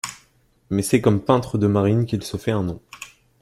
Mais c'est comme peintre de marine qu'il se fait un nom.